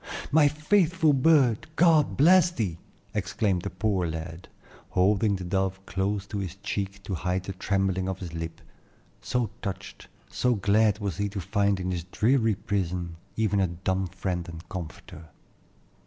"My faithful bird, God bless thee!" exclaimed the poor lad, holding the dove close against his cheek to hide the trembling of his lip, so touched, so glad was he to find in his dreary prison even a dumb friend and comforter.